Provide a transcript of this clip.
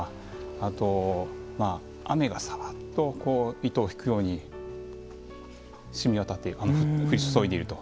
あと雨がさらっと糸を引くようにしみ渡っていく降り注いでいると。